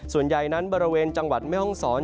ส่วนใหญ่นั้นบริเวณจังหวัดแม่ห้องศร